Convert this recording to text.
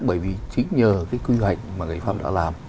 bởi vì chính nhờ cái quy hoạch mà người pháp đã làm